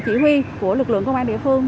chỉ huy của lực lượng công an địa phương